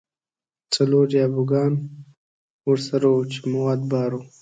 څلور یا بوګان ورسره وو چې مواد بار وو.